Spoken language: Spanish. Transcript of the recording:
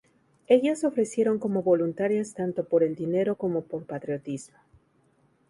Ellas se ofrecieron como voluntarias tanto por el dinero, como por patriotismo.